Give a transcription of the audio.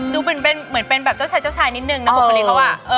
ดูเหมือนเป็นเจ้าชายนิดนึงนะบุคคลิกเขาอ่ะ